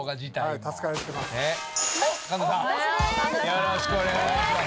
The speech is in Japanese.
よろしくお願いします。